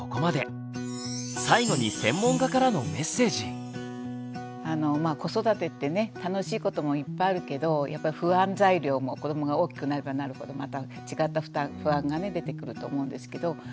最後に子育てってね楽しいこともいっぱいあるけどやっぱり不安材料も子どもが大きくなればなるほどまた違った不安が出てくると思うんですけど。